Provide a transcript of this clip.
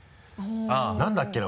何だっけな？